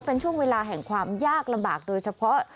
เป็นช่วงเวลาแห่งความยากลำบากโดยเฉพาะ